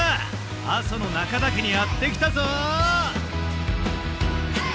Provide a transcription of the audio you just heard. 阿蘇の中岳にやって来たぞ。